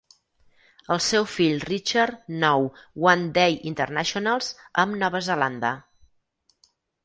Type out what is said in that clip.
El seu fill Richard nou One Day Internationals amb Nova Zelanda.